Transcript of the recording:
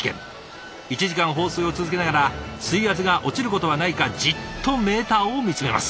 １時間放水を続けながら水圧が落ちることはないかじっとメーターを見つめます。